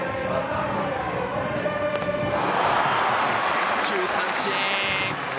３球三振！